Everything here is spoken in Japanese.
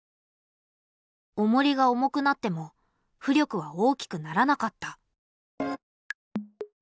おもりが重くなっても浮力は大きくならなかった。